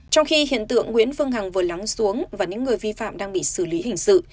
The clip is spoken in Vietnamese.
trong khi hiện tượng nguyễn phương hằng vừa lắng xuống và những người vi phạm đang bị xử lý hình sự